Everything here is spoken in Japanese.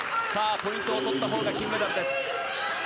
ポイントを取ったほうが金メダルです。